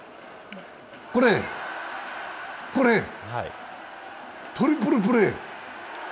これ、これ、トリプルプレー。